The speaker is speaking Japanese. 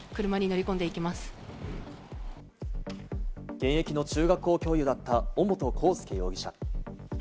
現役の中学校教諭だった尾本幸祐容疑者。